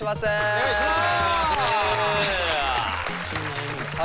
お願いします！